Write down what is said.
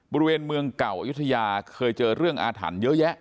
บริเวณเมืองเก่าอายุทยาเคยเจอเรื่องอาถรรพ์เยอะแยะ